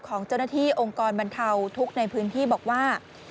ของเจ้าหน้าที่องค์กรบรรเทาทุกข์ในพื้นที่บอกว่า